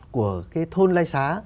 của cái thôn lai xá